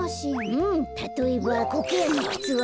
うんたとえばコケヤンのくつは？